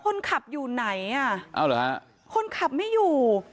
คนขับอยู่ไหนอ่ะเอาเหรอฮะคนขับไม่อยู่